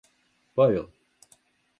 Павел